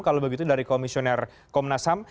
kalau begitu dari komisioner komnas ham